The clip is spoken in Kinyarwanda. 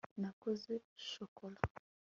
nakoze shokora